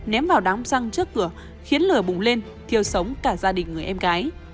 ném vào đám răng trước cửa khiến lửa bùng lên thiêu sống cả gia đình người em gái